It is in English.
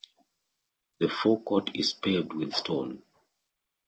The forecourt is paved with stone.